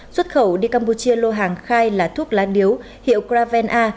xuất khẩu đi campuchia lô hàng khai là thuốc lá điếu hiệu gravena